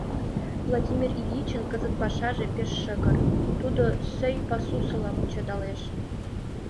Владимир Ильичын кызыт пашаже пеш шыгыр, тудо сӧй пасусыла кучедалеш.